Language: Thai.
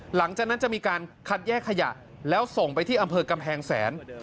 หลังจากนั้นจะมีการคัดแยกขยะแล้วส่งไปที่อำเภอกำแพงแสน